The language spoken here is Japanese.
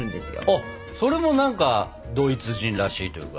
あっそれも何かドイツ人らしいというかね。